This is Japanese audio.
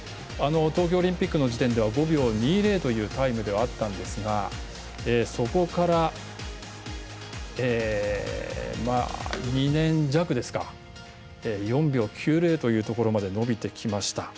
東京オリンピックの時点では５秒２０というタイムではあったんですがそこから２年弱ですか４秒９０というところまで伸びてきました。